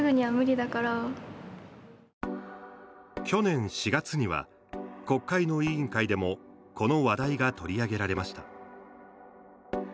去年４月には国会の委員会でもこの話題が取り上げられました。